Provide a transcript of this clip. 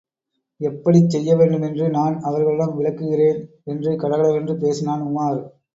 எப்படிச் செய்யவேண்டுமென்று நான் அவர்களிடம் விளக்குகிறேன் என்று கடகடவென்று பேசினான் உமார்.